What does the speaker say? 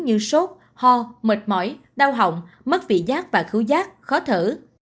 như sốt ho mệt mỏi đau hỏng mất vị giác và cứu giác khó thở